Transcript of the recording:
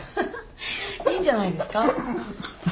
いいんじゃないですか？